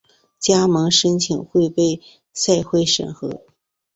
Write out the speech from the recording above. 加盟申请会被赛会审核。